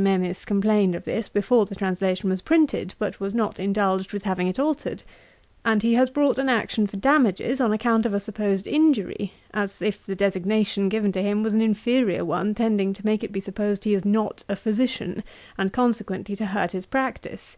Memis complained of this before the translation was printed, but was not indulged with having it altered; and he has brought an action for damages, on account of a supposed injury, as if the designation given to him was an inferiour one, tending to make it be supposed he is not a Physician, and, consequently, to hurt his practice.